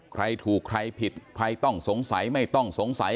ใครถูกใครผิดใครต้องสงสัยไม่ต้องสงสัย